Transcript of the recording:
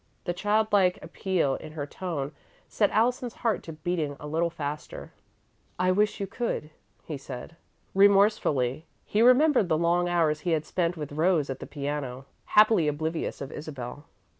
The child like appeal in her tone set Allison's heart to beating a little faster. "I wish you could," he said. Remorsefully, he remembered the long hours he had spent with Rose at the piano, happily oblivious of Isabel.